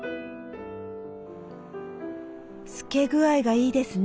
透け具合がいいですね。